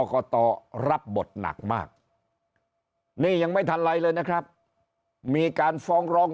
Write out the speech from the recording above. กตรับบทหนักมากนี่ยังไม่ทันไรเลยนะครับมีการฟ้องร้อง